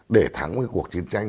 để thắng cái cuộc chiến tranh